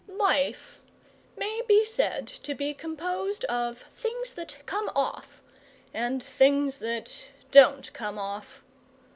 Life may be said to be composed of things that come off and things that don't come off.